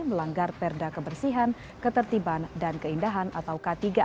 melanggar perda kebersihan ketertiban dan keindahan atau k tiga